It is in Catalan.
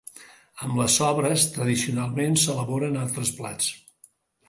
Amb les sobres, tradicionalment, s’elaboren altres plats.